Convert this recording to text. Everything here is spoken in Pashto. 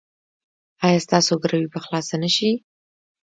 ایا ستاسو ګروي به خلاصه نه شي؟